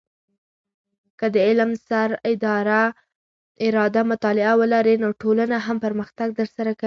که د علم سر اراده مطالعه ولرې، نو ټولنه هم پرمختګ در سره کوي.